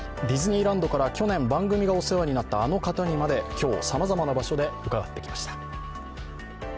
ディズニーランドから去年番組がお世話になったあの方にまで今日、さまざまな場所で伺ってきました。